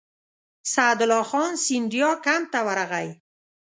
سعدالله خان سیندیا کمپ ته ورغی.